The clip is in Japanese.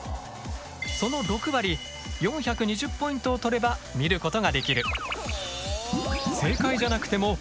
その６割４２０ポイントを取れば見ることができる。